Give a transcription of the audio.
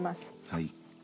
はい。